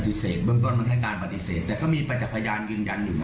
ปฏิเสธเริ่มต้นมันให้การปฏิเสธแต่ก็มีปัจจักรพยานยืนยันอยู่น่ะ